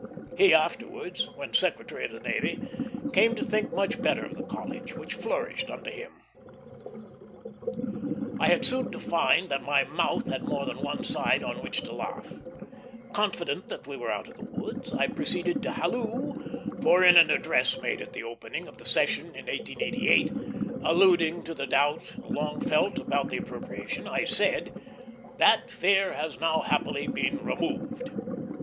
He afterwards, when Secretary of the Navy, came to think much better of the College, which flourished under him. I had soon to find that my mouth had more than one side on which to laugh. Confident that we were out of the woods, I proceeded to halloo; for in an address made at the opening of the session of 1888, alluding to the doubt long felt about the appropriation, I said, "That fear has now happily been removed."